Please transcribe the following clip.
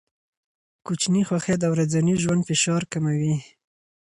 کوچني خوښۍ د ورځني ژوند فشار کموي.